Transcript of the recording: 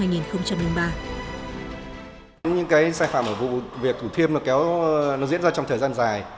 những cái sai phạm ở vụ việc thủ thiêm nó diễn ra trong thời gian dài